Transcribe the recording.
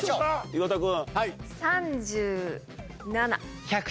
岩田君。